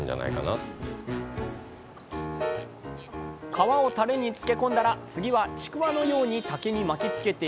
皮をタレにつけ込んだら次はちくわのように竹に巻き付けていきます。